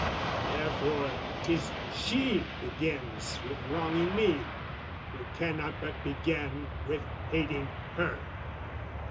Therefore 'tis she begins with wronging me, Who cannot but begin with hating her.